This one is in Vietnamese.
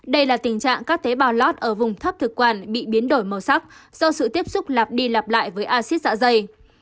đây là tình trạng các tế bào lót ở vùng thấp thực quản bị biến đổi màu sắc do sự tiếp xúc lạp đi lặp lại với acid dạ dày